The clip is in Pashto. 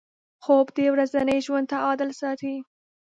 خوب د ورځني ژوند تعادل ساتي